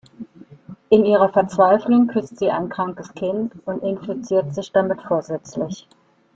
In ihrer Verzweiflung küsst sie ein krankes Kind und infiziert sich damit vorsätzlich.